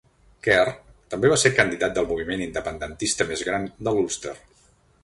Kerr també va ser candidat del moviment independentista més gran de l'Ulster.